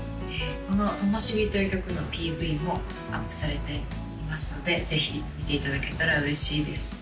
この「灯火」という曲のＰＶもアップされていますのでぜひ見ていただけたら嬉しいです